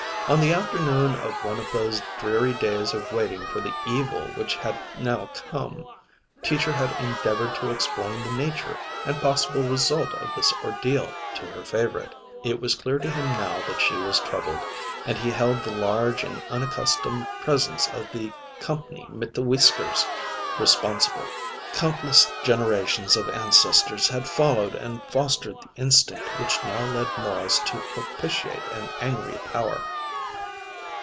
On the afternoon of one of those dreary days of waiting for the evil which had now come, Teacher had endeavored to explain the nature and possible result of this ordeal to her favorite. It was clear to him now that she was troubled, and he held the large and unaccustomed presence of the "comp'ny mit whiskers" responsible. Countless generations of ancestors had followed and fostered the instinct which now led Morris to propitiate an angry power.